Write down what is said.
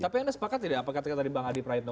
tapi anda sepakat tidak apa ketika tadi bang adi praetno